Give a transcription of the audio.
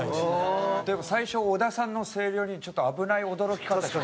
最初小田さんの声量にちょっと危ない驚き方。